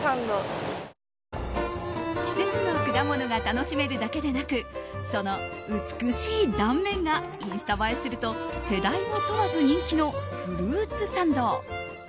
季節の果物が楽しめるだけでなくその美しい断面がインスタ映えすると世代を問わず人気のフルーツサンド。